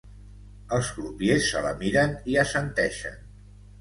Els crupiers se la miren i assenteixen.